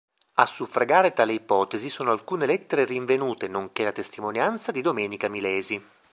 A suffragare tale ipotesi sono alcune lettere rinvenute, nonché la testimonianza di Domenica Milesi.